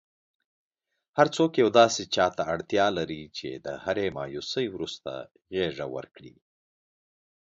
هرڅوک یو داسي چاته اړتیا لري چي د هري مایوسۍ وروسته غیږه ورکړئ.!